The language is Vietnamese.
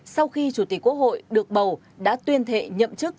sau khi chủ tịch quốc hội được bầu đã tuyên thệ nhậm chức